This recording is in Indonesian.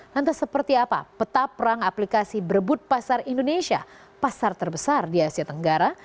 lantas seperti apa peta perang aplikasi berebut pasar indonesia pasar terbesar di asia tenggara